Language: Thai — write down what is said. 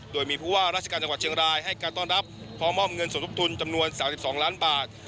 โดยมีผู้ว่าราชการจังหวัดเชียงรายให้การต้อนรับพร้อมมอบเงินสมทบทุนจำนวน๓๒ล้านบาท